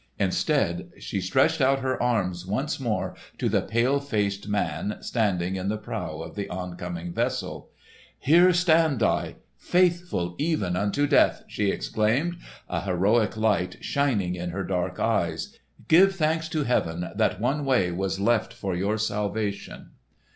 Instead, she stretched out her arms once more to the pale faced man, standing in the prow of the oncoming vessel. "Here stand I, faithful even unto death!" she exclaimed, a heroic light shining in her dark eyes. "Give thanks to heaven that one way was left for your salvation!"